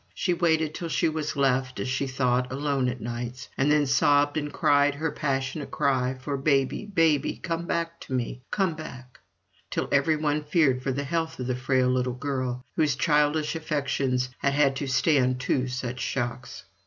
She waited till she was left as she thought alone at nights, and then sobbed and cried her passionate cry for "Baby, baby, come back to me come back;" till every one feared for the health of the frail little girl whose childish affections had had to stand two such shocks.